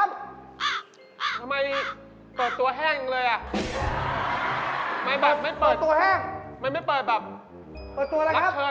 แล้วเวลาไม่ได้